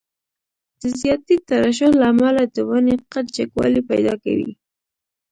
د زیاتې ترشح له امله د ونې قد جګوالی پیدا کوي.